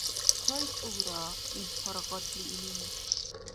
— КайцӀулра, — иб паргъатли илини.